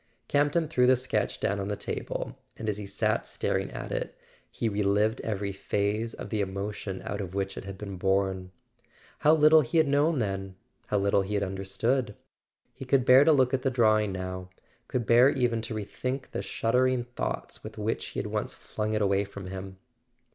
Camp ton threw the sketch down on the table; and as he sat staring at it he relived every phase of the emotion out of which it had been born. How little he had known then—how little he had understood! He could bear to look at the drawing now; could bear even to rethink the shuddering thoughts with which he had once flung it away from him.